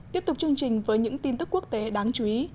tiếp tục chương trình với những tin tức quốc tế đáng chú ý